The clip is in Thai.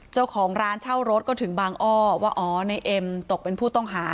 เจ้าของร้านเช่ารถก็ถึงบางอ้อว่าอ๋อในเอ็มตกเป็นผู้ต้องหา